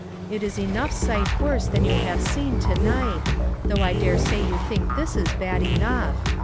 It is enough sight worse than you have seen to night, though I dare say you think this is bad enough.